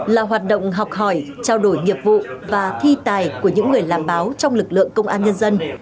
là hoạt động học hỏi trao đổi nghiệp vụ và thi tài của những người làm báo trong lực lượng công an nhân dân